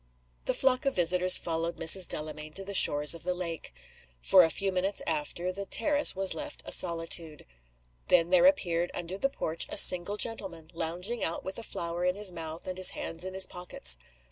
The flock of visitors followed Mrs. Delamayn to the shores of the lake. For a few minutes after the terrace was left a solitude. Then there appeared under the porch a single gentleman, lounging out with a flower in his mouth and his hands in his pockets.